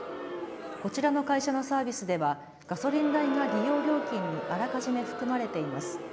こちらの会社のサービスではガソリン代が利用料金にあらかじめ含まれています。